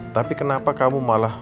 tapi kenapa kamu malah